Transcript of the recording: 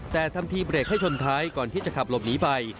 แต่ทำทีเบรกให้ชนท้ายก่อนที่จะขับหลบหนีไป